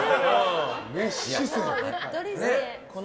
熱視線。